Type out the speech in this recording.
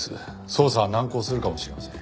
捜査は難航するかもしれません。